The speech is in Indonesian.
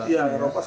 dan juga di eropa